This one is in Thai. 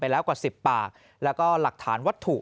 แล้วกว่า๑๐ปากแล้วก็หลักฐานวัตถุ